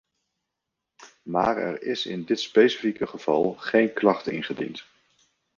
Maar er is in dit specifieke geval geen klacht ingediend.